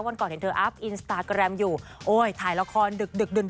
วันก่อนเห็นเธออัพอินสตาแกรมอยู่โอ้ยถ่ายละครดึกดึกดึก